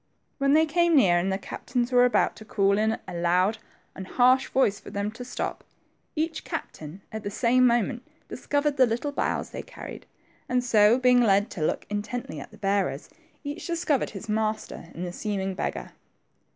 When they came near, and the captains were about to call in a loud and harsh voice for them to stop, each captain at the same moment discovered the little boughs they carried, and so, being led to look intently at the bearers, each discovered his master in the seeming beggar.